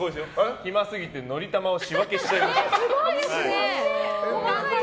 暇すぎてのりたまを仕分けしちゃいました。